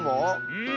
うん。